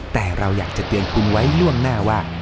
แต่เราอยากจะเตือนคุณไว้ล่วงหน้าว่า